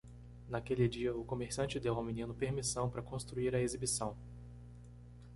Naquele dia?, o comerciante deu ao menino permissão para construir a exibição.